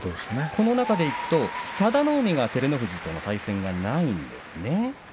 この中でいくと佐田の海は照ノ富士との対戦がないんですね。